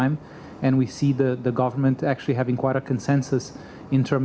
dan kami melihat pemerintah memiliki konsensus yang cukup